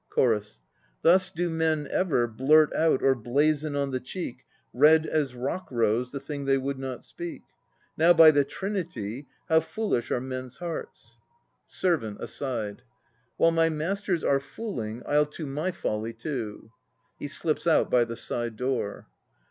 CHORUS. Thus do men ever Blurt out or blazen on the cheek Red as rock rose * the thing they would not speak. Now by the Trinity, how foolish are men's hearts! SERVANT (aside). While my masters are fooling, I'll to my folly too. (He slips out by the side door.)